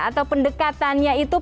atau pendekatannya itu